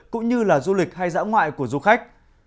cũng như là du lịch hay dã ngoại của du khách